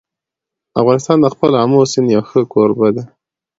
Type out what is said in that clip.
افغانستان د خپل آمو سیند یو ښه کوربه دی.